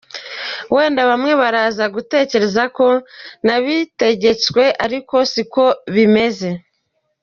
Wenda bamwe baraza gutekereza ko nabitegetswe ariko siko bimeze.